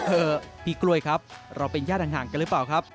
เออพี่กล้วยครับเราเป็นญาติห่างกันหรือเปล่าครับ